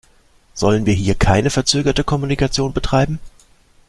Sollen wir hier keine verzögerte Kommunikation betreiben?